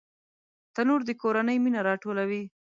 تنور د کورنۍ مینه راټولوي